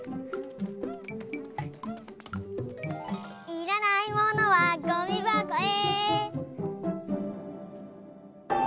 いらないものはゴミばこへ！